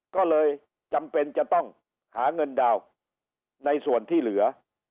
ก็เลยจำเป็นจะต้องหาเงินดาวน์ในส่วนที่เหลือ